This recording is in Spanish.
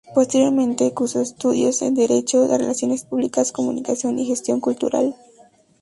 Posteriormente, cursó estudios de Derecho, Relaciones Públicas, Comunicación y Gestión Cultural.